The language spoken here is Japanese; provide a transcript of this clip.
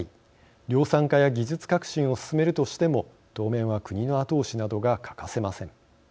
量産化や技術革新を進めるとしても当面は国の後押しなどが欠かせません。